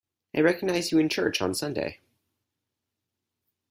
I recognized you in church on Sunday.